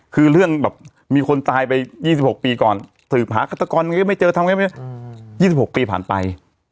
คือเรื่องแบบมีคนตายไปยี่สิบหกปีก่อนหาฆาตกรไม่เจอทำยังไงยี่สิบหกปีผ่านไป